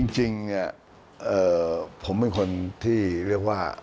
จริงผมเป็นคนที่เรียกว่า